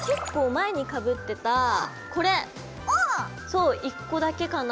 そう１個だけかなぁ。